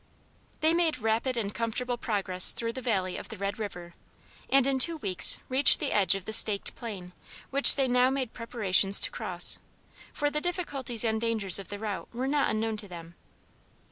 They made rapid and comfortable progress through the valley of the Red River, and in two weeks reached the edge of the "Staked Plain," which they now made preparations to cross, for the difficulties and dangers of the route were not unknown to them.